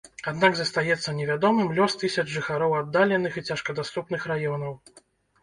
Аднак застаецца невядомым лёс тысяч жыхароў аддаленых і цяжкадаступных раёнаў.